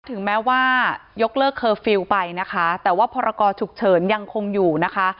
ถึงแม้ว่ายกเลิกเคอร์ฟิลล์ไปนะคะแต่ว่าพรกรฉุกเฉินยังคงอยู่นะคะ